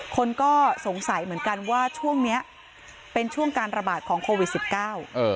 คนก็สงสัยเหมือนกันว่าช่วงเนี้ยเป็นช่วงการระบาดของโควิดสิบเก้าเออ